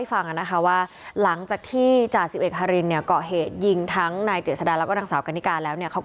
บุกมะกราดยิงถึงที่บ้านมีน้องผู้หญิงคนหนึ่งเกือบจะโดนลูกหลงไปด้วยนะคะ